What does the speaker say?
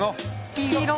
黄色。